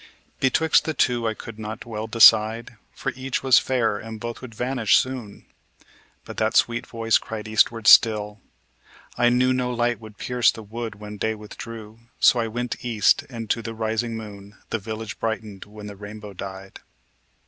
Betwixt the two I cold not well decide; For each was fair, and both would vanish soon. But that sweet voice cried eastward still: I knew No light would pierce the wood when day withdrew; So I went east and to the rising moon The village brightened when the rainbow died.